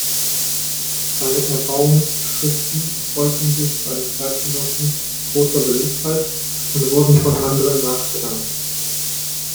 Seine Erbauungsschriften erfreuten sich bei den Zeitgenossen großer Beliebtheit und wurden von anderen nachgeahmt.